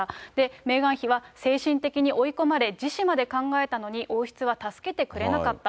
メーガン妃は精神的に追い込まれ、自死まで考えたのに王室は助けてくれなかった。